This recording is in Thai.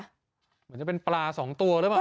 เหมือนจะเป็นปลาสองตัวหรือเปล่า